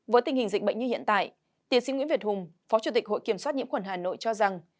với tình hình dịch bệnh như hiện tại tiến sĩ nguyễn việt hùng phó chủ tịch hội kiểm soát nhiễm khuẩn hà nội cho rằng